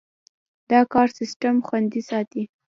دا کار سیستم خوندي ساتي.